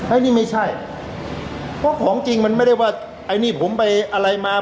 อันนี้ไม่ใช่เพราะของจริงมันไม่ได้ว่าไอ้นี่ผมไปอะไรมา